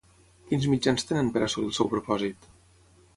Quins mitjans tenen per assolir el seu propòsit?